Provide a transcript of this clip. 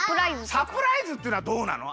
サプライズってのはどうなの？